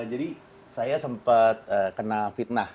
jadi saya sempat kena fitnah